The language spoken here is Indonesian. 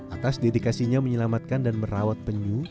atas dedikasinya menyelamatkan dan merawat penyu